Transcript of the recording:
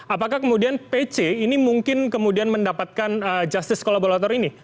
apakah kemudian pc ini mungkin kemudian mendapatkan justice kolaborator ini